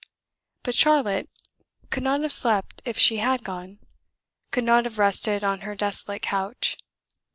But Charlotte could not have slept if she had gone, could not have rested on her desolate couch.